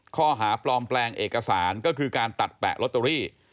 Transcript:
ข้อหาปลอมแปลงเอกสารก็คือการตัดแปะลอตเตอรี่